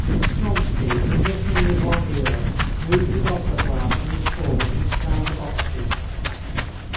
Vronsky, listening with one ear, moved his opera glass from the stalls and scanned the boxes.